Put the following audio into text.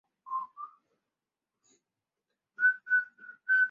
该站位于龙岗区龙岗街道龙岗社区。